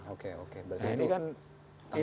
oke oke berarti itu tantangannya ya